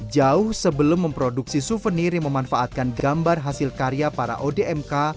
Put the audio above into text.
jauh sebelum memproduksi souvenir yang memanfaatkan gambar hasil karya para odmk